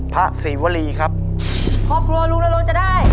พระสิวรีครับครอบครัวรู้แล้วเราจะได้